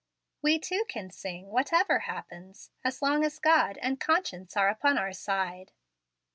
We, too, can sing, whatever happens, as long as God and conscience are upon our side."